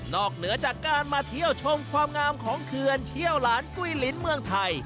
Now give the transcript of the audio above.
เหนือจากการมาเที่ยวชมความงามของเขื่อนเชี่ยวหลานกุ้ยลิ้นเมืองไทย